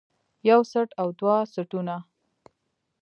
يو څټ او دوه څټونه